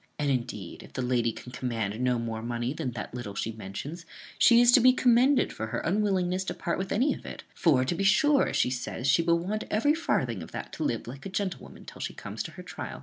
And indeed, if the lady can command no more money than that little she mentions, she is to be commended for her unwillingness to part with any of it; for, to be sure, as she says, she will want every farthing of that to live like a gentlewoman till she comes to her trial.